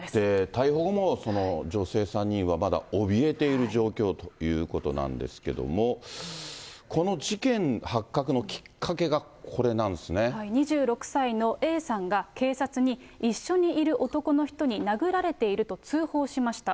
逮捕後も、女性３人はまだおびえている状況ということなんですけれども、この事件発覚のきっかけが、２６歳のＡさんが、警察に、一緒にいる男の人に殴られていると通報しました。